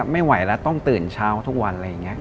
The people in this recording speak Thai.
ไม่ไหวแล้วต้องตื่นเช้าทุกวัน